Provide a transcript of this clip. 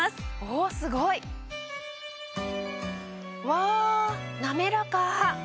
おすごい！わなめらか！